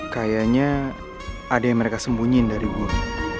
kayaknya ada yang mereka sembunyiin dari buah